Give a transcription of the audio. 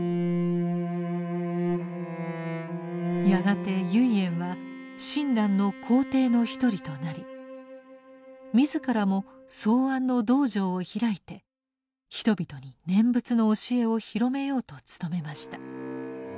やがて唯円は親鸞の高弟の一人となり自らも草庵の道場を開いて人々に念仏の教えを広めようと努めました。